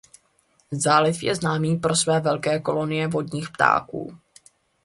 Záliv je známý pro své velké kolonie vodních ptáků.